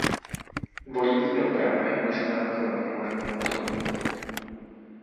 Vodní doprava je možná kromě horního toku.